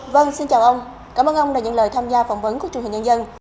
vâng xin chào ông cảm ơn ông đã nhận lời tham gia phỏng vấn của truyền hình nhân dân